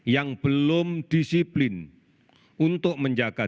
yang belum disiplin untuk menjaga